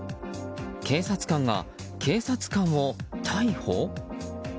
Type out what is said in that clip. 警察官が警察官を逮捕？